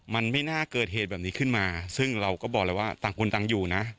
มันไม่น่าเกิดเหตุแบบนี้ขึ้นมาซึ่งเราก็บอกแล้วว่าต่างคนต่างอยู่นะ